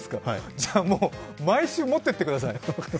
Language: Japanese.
じゃあもう毎週、持ってってください。